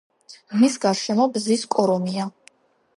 მის გარშემო ბზის კორომია.